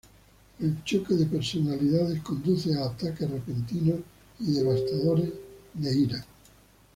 El choque de personalidades conduce a ataques repentinos y devastadores de ira.